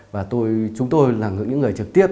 và chúng tôi là những người trực tiếp